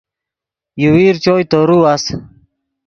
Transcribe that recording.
یوویر چوئے تورو اَس